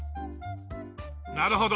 なるほど！